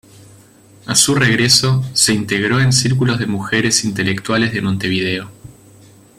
A su regreso, se integró en círculos de mujeres intelectuales de Montevideo.